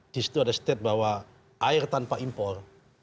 di situ ada state bahwa air tanpa impor